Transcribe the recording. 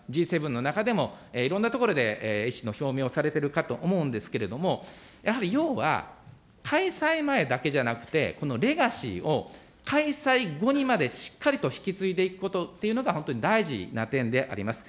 Ｇ７の中でも、いろんなところで意思の表明をされてるかと思うんですけれども、やはり、要は、開催前だけじゃなくて、このレガシーを開催後にまでしっかりと引き継いでいくことというのが、本当に大事な点であります。